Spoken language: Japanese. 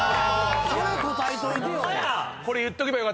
それ答えといてよ。